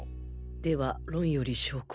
では論より証拠。